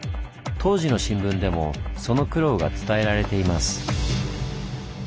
当時の新聞でもその苦労が伝えられています。